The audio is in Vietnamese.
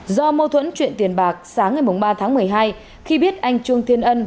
do mâu thuẫn chuyện tiền bạc sáng ngày ba tháng một mươi hai khi biết anh trương thiên ân